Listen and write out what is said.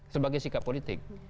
sebagai sikap politik